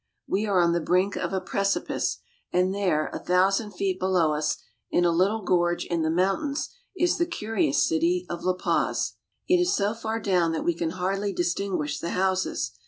We are on the brink of a precipice, and there a thousand feet below us, in a little gorge in the mountains, is the curious city of La Paz. It is so far down that we can hardly distinguish the houses.